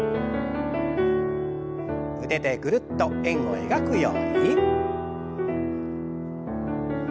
腕でぐるっと円を描くように。